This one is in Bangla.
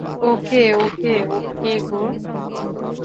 O K, okay, okay go.